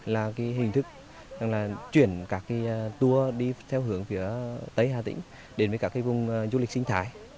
là cái hình thức là chuyển các tour đi theo hướng phía tây hà tĩnh đến với các vùng du lịch sinh thái